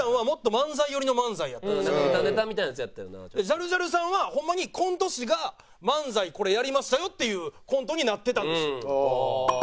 ジャルジャルさんはホンマにコント師が漫才これやりましたよっていうコントになってたんですよ。